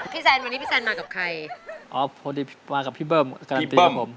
แซนวันนี้พี่แซนมากับใครอ๋อพอดีมากับพี่เบิ้มการันตีครับผม